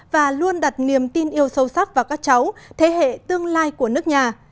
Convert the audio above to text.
và luôn đặt niềm tin yêu sâu sắc vào các cháu thế hệ tương lai của nước nhà